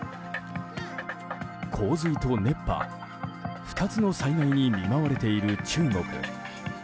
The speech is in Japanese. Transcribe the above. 洪水と熱波、２つの災害に見舞われている中国。